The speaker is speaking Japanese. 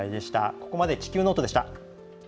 ここまで「地球ノート」でした。